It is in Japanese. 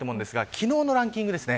昨日のランキング